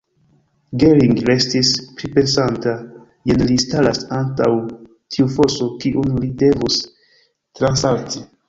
Gering restis pripensanta: jen li staras antaŭ tiu foso, kiun li devus transsalti!